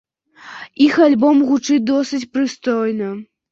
Іх альбом гучыць досыць прыстойна.